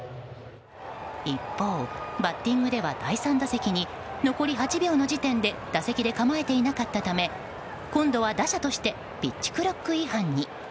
一方、バッティングでは第３打席に残り８秒の時点で打席で構えていなかったため今度は打者としてピッチクロック違反に。